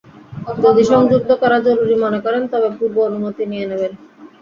যদি সংযুক্ত করা জরুরি মনে করেন তবে পূর্ব অনুমতি নিয়ে নেবেন।